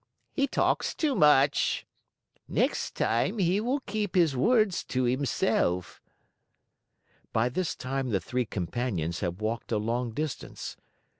He talks too much. Next time he will keep his words to himself." By this time the three companions had walked a long distance.